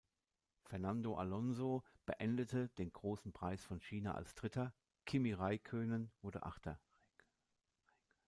Fernando Alonso beendete den Großen Preis von China als Dritter; Kimi Räikkönen wurde Achter.